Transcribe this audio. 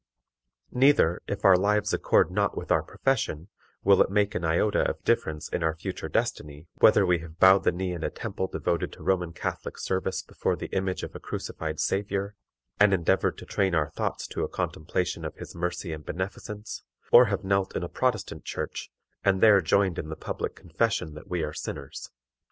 Neither, if our lives accord not with our profession, will it make an iota of difference in our future destiny whether we have bowed the knee in a temple devoted to Roman Catholic service before the image of a crucified Savior, and endeavored to train our thoughts to a contemplation of his mercy and beneficence, or have knelt in a Protestant Church, and there joined in the public confession that we are sinners.